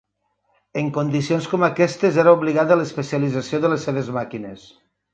En condicions com aquestes era obligada l'especialització de les seves màquines.